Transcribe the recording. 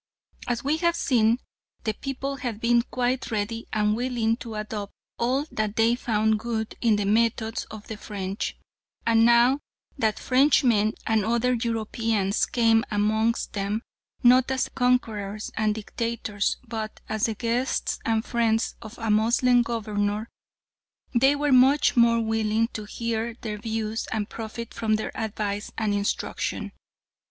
As we have seen, the people had been quite ready and willing to adopt all that they found good in the methods of the French, and now that Frenchmen and other Europeans came amongst them, not as conquerors and dictators, but as the guests and friends of a Moslem Governor, they were much more willing to hear their views and profit from their advice and instruction.